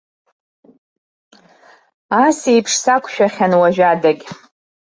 Ас еиԥш сақәшәахьан уажәадагь.